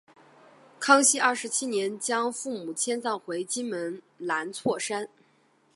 康熙二十七年将父母迁葬回金门兰厝山。